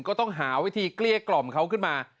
ก็ต้องหาวิธีเกลี้ยกล่อมเขาขึ้นมา